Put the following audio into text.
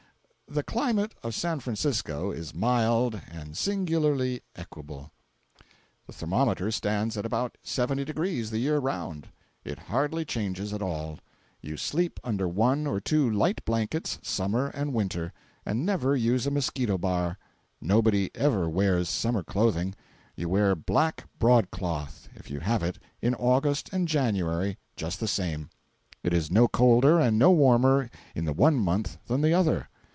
The climate of San Francisco is mild and singularly equable. The thermometer stands at about seventy degrees the year round. It hardly changes at all. You sleep under one or two light blankets Summer and Winter, and never use a mosquito bar. Nobody ever wears Summer clothing. You wear black broadcloth—if you have it—in August and January, just the same. It is no colder, and no warmer, in the one month than the other.